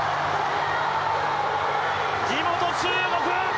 地元・中国